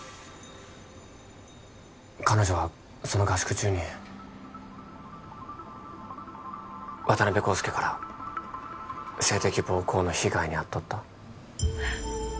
彼女はその合宿中に渡辺康介から性的暴行の被害に遭っとったえっ！？